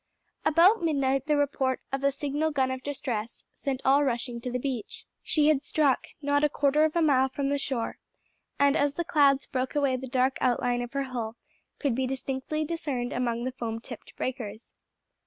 About midnight the report of a signal gun of distress sent all rushing to the beach. She had struck, not a quarter of a mile from the shore; and as the clouds broke away the dark outline of her hull could be distinctly discerned among the foam tipped breakers.